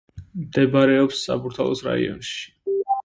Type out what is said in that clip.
მდებარეობს საბურთალოს რაიონში.